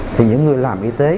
thì những người làm y tế